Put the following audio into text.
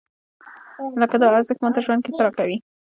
لکه دا ارزښت ماته ژوند کې څه راکوي؟